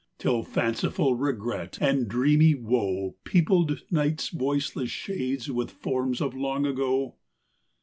Till fanciful regret and dreamy woe Peopled night's voiceless shades with forms of long Ago.